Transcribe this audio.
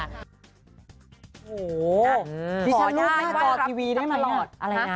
โหดิฉันลูบหน้าจอทีวีได้ไหม